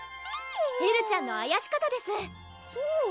エルちゃんのあやし方ですそう？